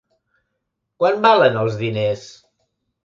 Quant valen els diners?